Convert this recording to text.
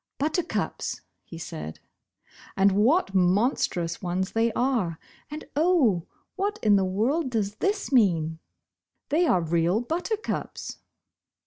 "Buttercups," he said, "and what monstrous ones they are, and oh, what in the world does this mean? Thev are real buttercups."